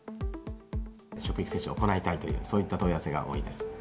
職域接種を行いたいという、そういった問い合わせが多いです。